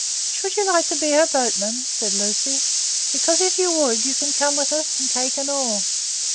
"Should you like to be her boatman?" said Lucy. "Because, if you would, you can come with us and take an oar.